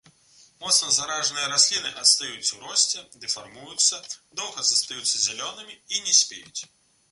Моцна заражаныя расліны адстаюць у росце, дэфармуюцца, доўга застаюцца зялёнымі і не спеюць.